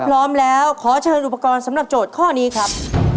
พร้อมแล้วขอเชิญอุปกรณ์สำหรับโจทย์ข้อนี้ครับ